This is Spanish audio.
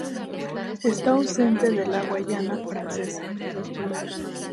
Está ausente de la Guayana Francesa.